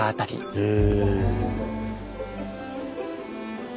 へえ。